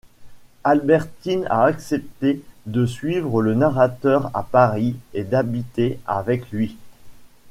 Albertine a accepté de suivre le narrateur à Paris et d'habiter avec lui.